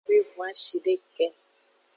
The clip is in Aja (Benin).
Wivon-ashideke.